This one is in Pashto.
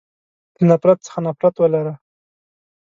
له نفرت څخه نفرت ولری.